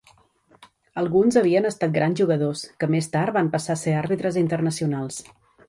Alguns havien estat grans jugadors que, més tard, van passar a ser àrbitres internacionals.